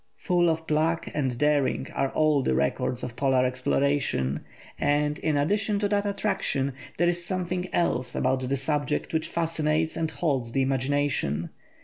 Full of pluck and daring are all the records of Polar exploration, and, in addition to that attraction, there is something else about the subject which fascinates and holds the imagination.